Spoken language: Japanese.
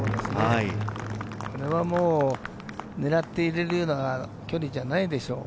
これはもう狙って入れるような距離じゃないでしょ。